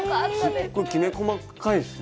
すごいきめ細かいんですね。